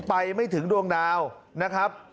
ไปไม่ถึงดวงดาวนะครับ